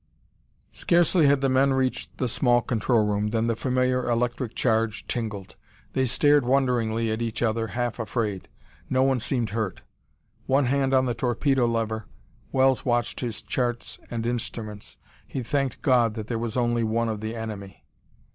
Scarcely had the men reached the small control room than the familiar electric charge tingled. They stared wonderingly at each other, half afraid. No one seemed hurt. One hand on the torpedo lever, Wells watched his charts and instruments. He thanked God that there was only one of the enemy.